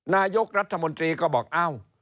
นายกรัฐมนตรีก็บอกเอ้า